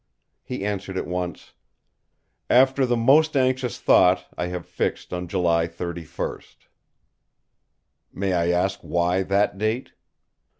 He answered at once: "After the most anxious thought I have fixed on July 31!" "May I ask why that date?"